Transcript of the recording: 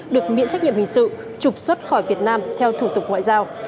được miễn trách nhiệm hình sự trục xuất khỏi việt nam theo thủ tục ngoại giao